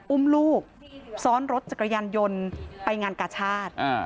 อุ้มลูกซ้อนรถจักรยานยนต์ไปงานกาชาติ